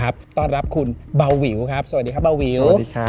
สวัสดีครับบาววิว